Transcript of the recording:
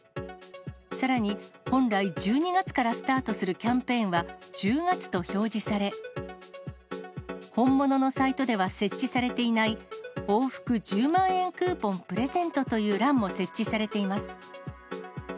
さらに、本来１２月からスタートするキャンペーンは、１０月と表示され、本物のサイトでは設置されていない往復１０万円クーポンプレゼントという欄も設置されています。